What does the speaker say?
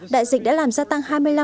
đại dịch đã làm gia tăng hai mươi năm